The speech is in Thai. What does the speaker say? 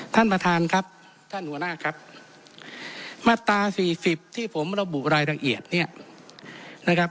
ท่านประธานครับท่านหัวหน้าครับมาตราสี่สิบที่ผมระบุรายละเอียดเนี่ยนะครับ